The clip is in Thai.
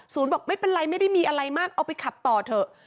บอกไม่เป็นไรไม่ได้มีอะไรมากเอาไปขับต่อเถอะ